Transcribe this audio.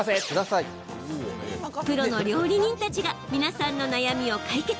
プロの料理人たちが皆さんの悩みを解決。